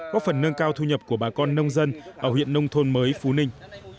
góp phần nâng cao thu nhập của bà con nông dân ở huyện nông thôn mới phú ninh